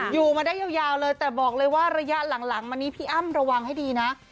อยู่มาได้ยาวเลยแต่บอกเลยว่าระยะหลังมานี้พี่อ้ำระวังให้ดีนะ